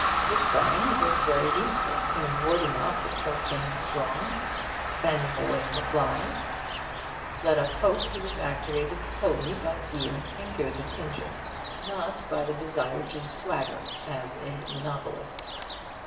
Tischbein was very useful in warding off the profane throng fanning away the flies. Let us hope he was actuated solely by zeal in Goethe's interest, not by the desire to swagger as a monopolist.